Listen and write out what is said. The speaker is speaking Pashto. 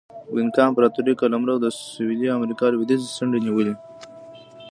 د اینکا امپراتورۍ قلمرو د سویلي امریکا لوېدیځې څنډې نیولې.